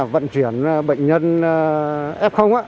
vận chuyển bệnh nhân f